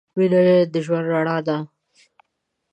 مینه د ژوند رڼا ده.